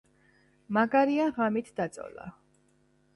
მაგარია ღამით დაწოლა